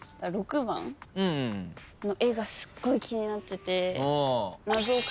６番の絵がすっごい気になってて。